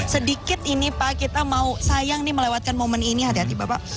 sedikit ini pak kita mau sayang nih melewatkan momen ini hati hati bapak